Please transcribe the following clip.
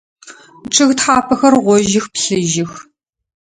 Чъыг тхьапэхэр гъожьых, плъыжьых.